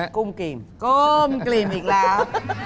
กุ้มกลิ่มอีกแล้ว